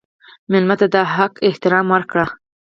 مېلمه ته د حق احترام ورکړه.